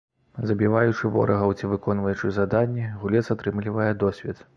Забіваючы ворагаў ці выконваючы заданні, гулец атрымлівае досвед.